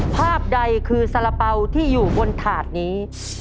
ภาพใดคือสาระเป๋าที่อยู่บนถาดนี้